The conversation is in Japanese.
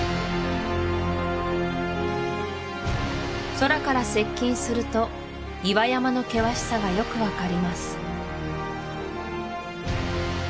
空から接近すると岩山の険しさがよくわかります